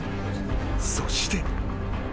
そして］